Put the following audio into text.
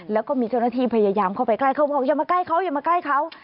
แล้วก็มีเจ้าหน้าที่พยายามเข้าไปใกล้เขาบอกอย่ามาใกล้เขาอย่ามาใกล้เขา